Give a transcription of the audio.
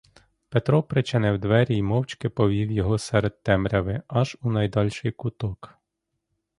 Петро причинив двері й мовчки повів його серед темряви аж у найдальший куток.